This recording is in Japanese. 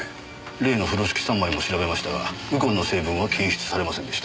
例の風呂敷３枚も調べましたがウコンの成分は検出されませんでした。